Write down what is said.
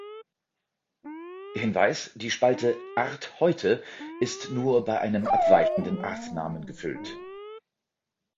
Hinweis: Die Spalte „Art heute“ ist nur bei einem abweichenden Artnamen gefüllt.